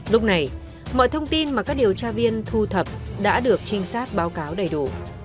lúc này mọi thông tin mà các điều tra viên thu thập đã được trinh sát báo cáo đầy đủ